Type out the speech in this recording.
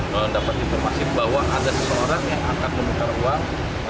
mendapat informasi bahwa ada seseorang yang akan menukar uang